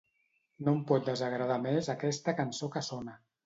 No em pot desagradar més aquesta cançó que sona.